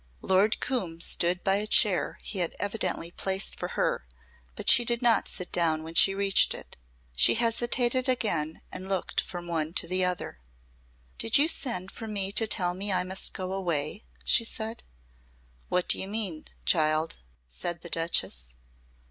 Lord Coombe stood by a chair he had evidently placed for her, but she did not sit down when she reached it. She hesitated again and looked from one to the other. "Did you send for me to tell me I must go away?" she said. "What do you mean, child?" said the Duchess.